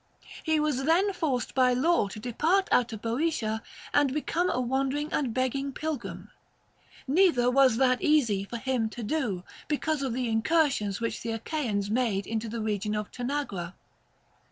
He was then forced by law to depart out of Boeotia and become a wandering and begging pilgrim; neither was that easy for him to do, because of the incursions which the Achaeans made into 282 THE GREEK QUESTIONS. the region of Tanagra.